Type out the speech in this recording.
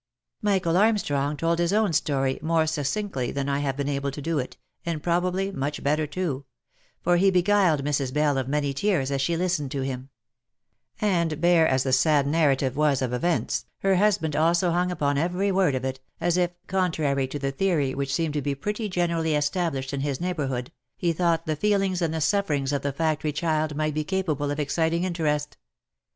Michael Armstrong told his own story more succinctly than I have been able to do it, and probably much better too ; for he beguiled Mrs. Bell of many tears as she listened to him ; and bare as the sad narra tive was of events, her husband also hung upon every word of it, as if, contrary to the theory which seemed to be pretty generally esta blished in his neighbourhood, he thought the feelings and the suffer ings of a factory child might be capable of exciting interest.